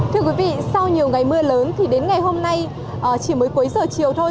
thưa quý vị sau nhiều ngày mưa lớn thì đến ngày hôm nay chỉ mới cuối giờ chiều thôi